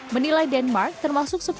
menilai denmark termasuk